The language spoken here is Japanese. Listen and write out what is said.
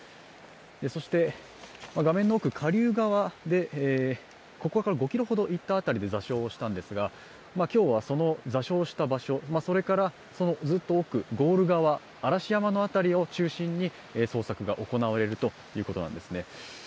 そして画面の奥、下流側でここから５ｋｍほどいった辺りで座礁したんですが今日はその座礁した場所、それからそのずっと奥、嵐山の辺りを中心に捜索が行われるということなんですね。